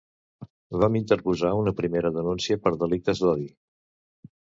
Vam interposar una primera denúncia per delictes d’odi.